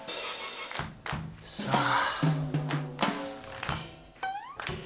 さあ。